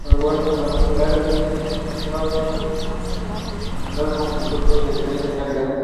Los huertos particulares siguen suministrando el consumo particular con productos de excelente calidad.